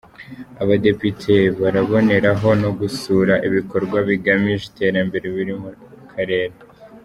Abadepite baraboneraho no gusura ibikorwa bigamije iterambere biri mu Karere.